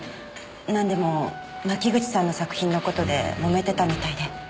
なんでも牧口さんの作品の事でもめてたみたいで。